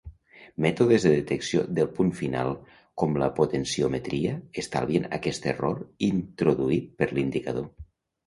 Mètodes de detecció del punt final com la potenciometria estalvien aquest error introduït per l'indicador.